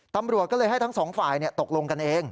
ตำรวจก็เลยให้ทั้งสองฝ่ายตกลงกันเอง